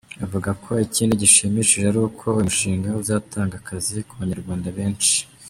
Bavuga ko ikindi gishimishije ari uko uyu mushinga uzatanga akazi ku Banyarwanda benshi.